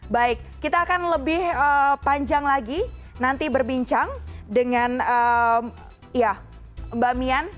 baik kita akan lebih panjang lagi nanti berbincang dengan mbak mian